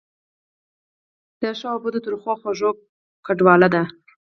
د ښو او بدو، ترخو او خوږو ګډوله ده.